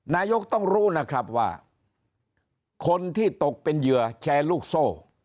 นายกต้องรู้นะครับว่าคนที่ตกเป็นเหยื่อแชร์ลูกโซ่